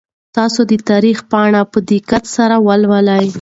تاسو د تاریخ پاڼې په دقت سره ولولئ.